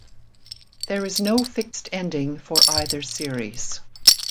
There is no fixed ending for either series.